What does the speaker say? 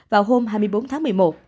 vào hôm hai mươi bốn tháng một mươi một